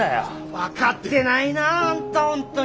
分かってないなあんた本当に。